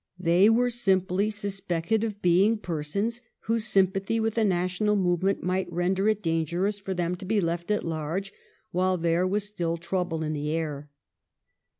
They were simply sus pected of being persons whose sympathy with the National movement might render it dangerous for them to be left at large while there was still trouble in the air.